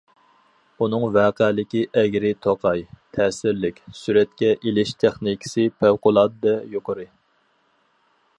ئۇنىڭ ۋەقەلىكى ئەگرى- توقاي، تەسىرلىك، سۈرەتكە ئېلىش تېخنىكىسى پەۋقۇلئاددە يۇقىرى.